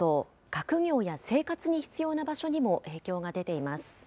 学業や生活に必要な場所にも影響が出ています。